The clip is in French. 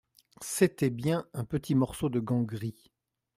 C'était bien un petit morceau de gant gris.